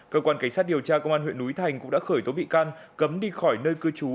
cơ quan cảnh sát điều tra công an huyện núi thành cũng đã khởi tố bị can cấm đi khỏi nơi cư trú